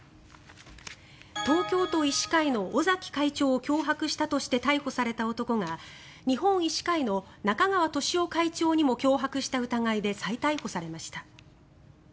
東京都医師会の尾崎会長を脅迫したとして逮捕された男が日本医師会の中川俊男会長にも脅迫した疑いで再逮捕されました。